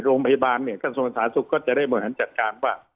โรงพยาบาลกระทรวมสาธารณ์สุขก็จะได้หมายถัดการว่า